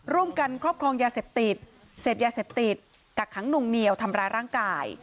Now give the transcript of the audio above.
ร่วมกันครอบครองยาเสพติดเสพยาเสพติดกักขังหนุ่งเหนียวทำร้ายร่างกาย